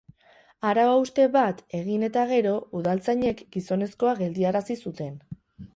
Arau-hauste bat egin eta gero, udaltzainek gizonezkoa geldiarazi zuten.